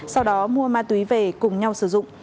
sau đó mua ma túy về cùng nhau sử dụng